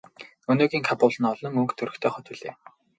Өнөөгийн Кабул нь олон өнгө төрхтэй хот билээ.